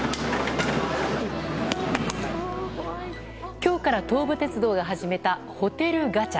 今日から東武鉄道が始めたホテルガチャ。